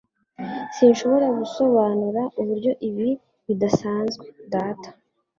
Sinshobora gusobanura uburyo ibi bidasanzwe, Data.